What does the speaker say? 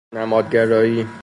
نمادگرایی